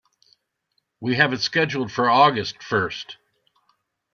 We have it scheduled for August first.